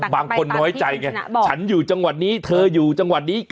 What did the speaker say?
บางคนน้อยใจไงฉันอยู่จังหวัดนี้เธออยู่จังหวัดนี้